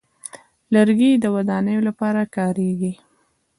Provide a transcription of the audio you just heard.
لرګی د ودانیو لپاره کارېږي.